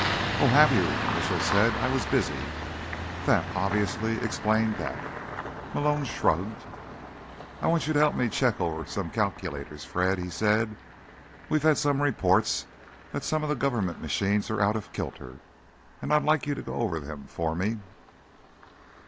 "Oh, have you?" Mitchell said. "I was busy." That, obviously, explained that. Malone shrugged. "I want you to help me check over some calculators, Fred," he said. "We've had some reports that some of the government machines are out of kilter, and I'd like you to go over them for me."